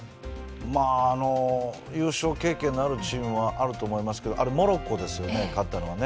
優勝経験のあるチームはあると思いますけどモロッコですよね、勝ったのはね。